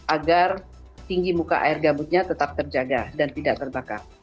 agar tinggi muka air gambutnya tetap terjaga dan tidak terbakar